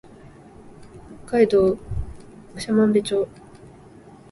北海道長万部町